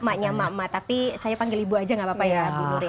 maknya mak mak tapi saya panggil ibu aja gak apa apa ya bu nur ya